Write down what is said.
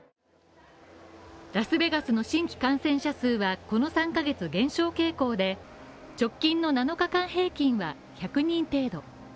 ラスベガスの新規感染者数は、この３ヶ月減少傾向で、直近の７日間平均は１００人程度。